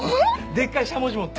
でっかいしゃもじ持って。